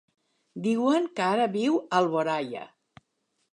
Diuen que ara viu a Alboraia.